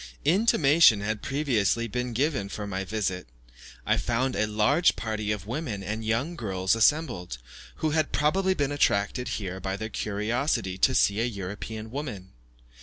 Intimation had previously been given of my visit. I found a large party of women and young girls assembled, who had probably been attracted here by their curiosity to see a European woman.